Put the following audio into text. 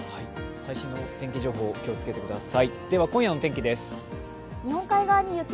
最新の天気情報、気をつけてください。